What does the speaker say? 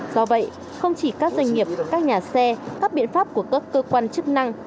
do vậy không chỉ các doanh nghiệp các nhà xe các biện pháp của các cơ quan chức năng